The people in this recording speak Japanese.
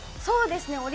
そうですね。